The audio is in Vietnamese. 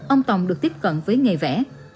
ông tòng được tiếp cận với nghề vẽ